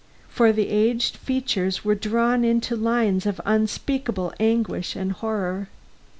For the aged features were drawn into lines of unspeakable anguish and horror.